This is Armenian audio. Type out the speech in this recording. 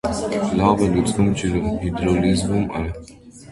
Լավ է լուծվում ջրում (հիդրոլիզվում է)։